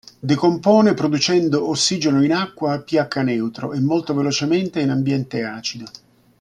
Decompone producendo O in acqua a pH neutro, e molto velocemente in ambiente acido.